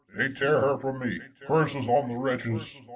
They tear her from me. Curses on the wretches